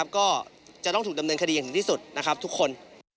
ก็จะต้องถูกดำเนินคดีอย่างถึงที่สุดนะครับทุกคน